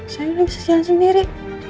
sayangnya bisa jalan sendiri